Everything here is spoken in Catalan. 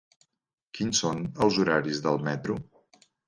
Quins són els horaris del metro?